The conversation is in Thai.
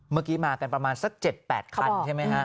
เมื่อกี้มากันประมาณสัก๗๘คันใช่ไหมฮะ